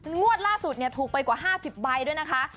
งวดล่าสุดถูกไปกว่า๕๐ใบด้วยนะคะ